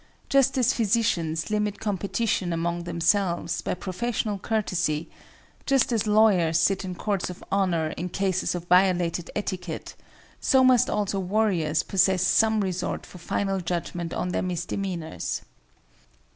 Just as physicians limit competition among themselves by professional courtesy, just as lawyers sit in courts of honor in cases of violated etiquette, so must also warriors possess some resort for final judgment on their misdemeanors.